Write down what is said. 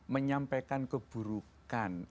menyampaikan keburukan keburukan pemimpin